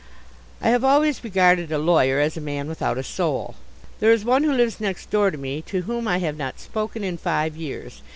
I have always regarded a lawyer as a man without a soul. There is one who lives next door to me to whom I have not spoken in five years.